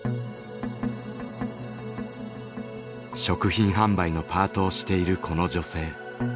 食品販売のパートをしているこの女性。